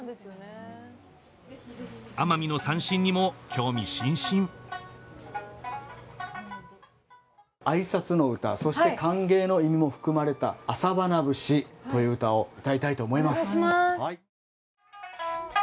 奄美の三線にも興味津々あいさつの唄そして歓迎の意味も含まれた「朝花節」という唄をうたいたいと思います